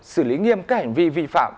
xử lý nghiêm các hành vi vi phạm